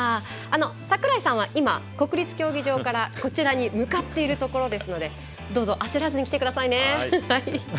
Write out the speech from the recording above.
櫻井さんは、今国立競技場からこちらに向かっているところですのでどうぞ、焦らずに来てくださいね。